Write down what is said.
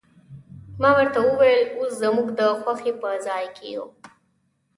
ما ورته وویل، اوس زموږ د خوښۍ په ځای کې یو.